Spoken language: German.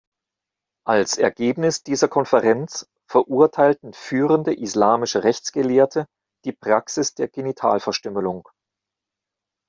Als Ergebnis dieser Konferenz verurteilten führende islamische Rechtsgelehrte die Praxis der Genitalverstümmelung.